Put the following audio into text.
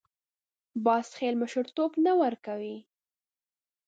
باز خپل مشرتوب نه ورکوي